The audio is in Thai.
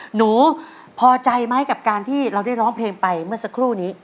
หนูพอใจไหมกับการที่เราได้ร้องเพลงไปเมื่อสักครู่นี้